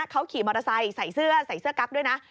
เขาขี่มอเตอร์ไซค์ใส่เสื้อกั๊บด้วยนะ